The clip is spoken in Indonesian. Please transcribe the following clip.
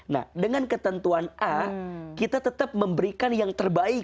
nah dengan ketentuan a kita tetap memberikan yang terbaik